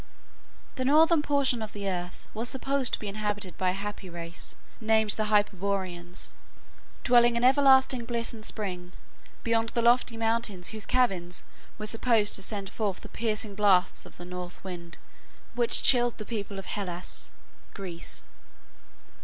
The northern portion of the earth was supposed to be inhabited by a happy race named the Hyperboreans, dwelling in everlasting bliss and spring beyond the lofty mountains whose caverns were supposed to send forth the piercing blasts of the north wind, which chilled the people of Hellas (Greece).